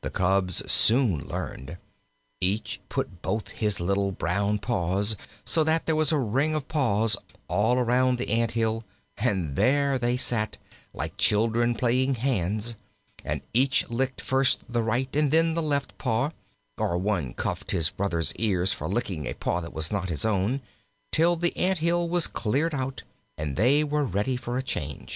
The cubs soon learned. Each put up both his little brown paws, so that there was a ring of paws all around the ant hill, and there they sat, like children playing "hands," and each licked first the right and then the left paw, or one cuffed his brother's ears for licking a paw that was not his own, till the ant hill was cleared out and they were ready for a change.